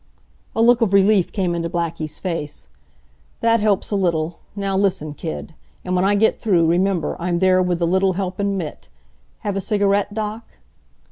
A look of relief came into Blackie's face. "That helps a little. Now listen, kid. An' w'en I get through, remember I'm there with the little helpin' mitt. Have a cigarette, Doc?"